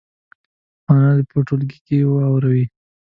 معنا دې په ټولګي کې واوروي.